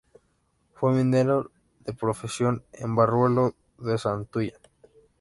Fue minero de profesión en Barruelo de Santullán.